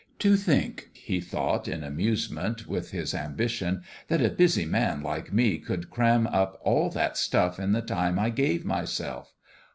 44 To think," he thought, in amusement with his ambition, 4< that a busy man like me could cram up all that stuff in the time I gave myself